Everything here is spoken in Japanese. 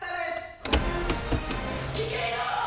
危険よ！